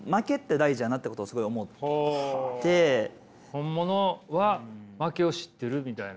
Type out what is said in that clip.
本物は負けを知ってるみたいな？